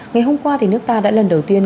ngày hôm qua thì nước ta đã lần đầu tiên